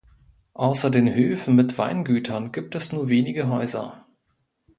Außer den Höfen mit Weingütern gibt es nur wenige Häuser.